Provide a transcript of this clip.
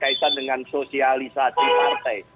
kaitan dengan sosialisasi partai